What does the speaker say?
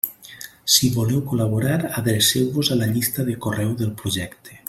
Si voleu col·laborar, adreceu-vos a la llista de correu del projecte.